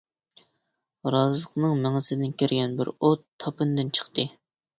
رازىقنىڭ مېڭىسىدىن كىرگەن بىر ئوت تاپىنىدىن چىقتى.